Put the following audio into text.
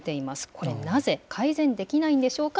これ、なぜ？改善できないんでしょうか？